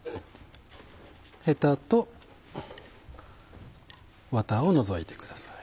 ヘタとワタを除いてください。